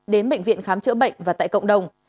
đến bệnh viện khám chữa bệnh và tại cộng đồng